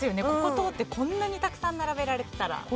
ここ通って、こんなにたくさん並べられていたら。